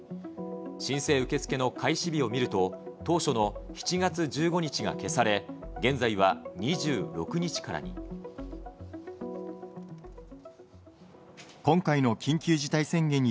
申請受け付けの開始日を見ると、当初の７月１５日が消され、現在は２６日からに。